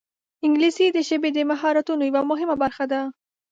انګلیسي د ژبې د مهارتونو یوه مهمه برخه ده